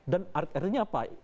dan artinya apa